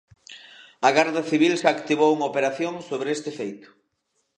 A Garda Civil xa activou unha operación sobre este feito.